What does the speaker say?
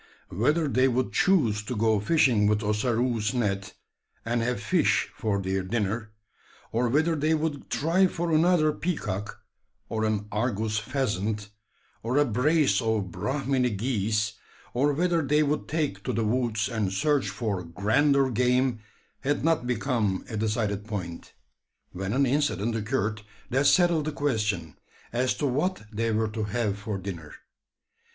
Whether they would choose to go fishing with Ossaroo's net, and have fish for their dinner, or whether they would try for another peacock, or an argus pheasant, or a brace of Brahminy geese; or whether they would take to the woods and search for grander game, had not become a decided point; when an incident occurred that settled the question, as to what they were to have for dinner.